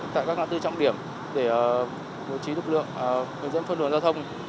tại các ngã tư trọng điểm để bố trí lực lượng hướng dẫn phương đường giao thông